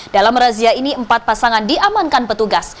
dalam razia ini empat pasangan diamankan petugas